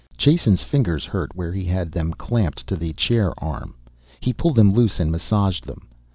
Jason's fingers hurt where he had them clamped to the chair arm. He pulled them loose and massaged them.